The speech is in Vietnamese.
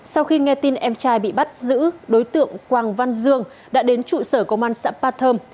sau khi nghe tin em trai bị bắt giữ đối tượng quang văn thương đã đến trụ sở công an xã pathom